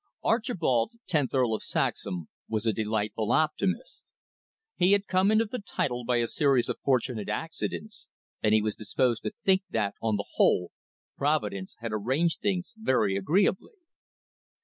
Archibald, tenth Earl of Saxham, was a delightful optimist. He had come into the title by a series of fortunate accidents, and he was disposed to think that, on the whole, Providence had arranged things very agreeably.